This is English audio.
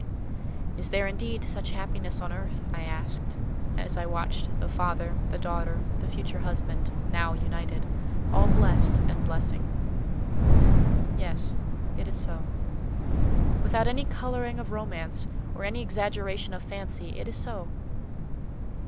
"Is there, indeed, such happiness on earth?" I asked, as I watched the father, the daughter, the future husband, now united—all blessed and blessing. Yes; it is so. Without any colouring of romance, or any exaggeration of fancy, it is so.